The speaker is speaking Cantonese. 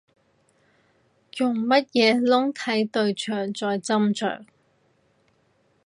用咩窿睇對象再斟酌